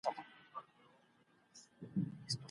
تاسي په اخیرت کي د الله له دیداره مننه کوئ.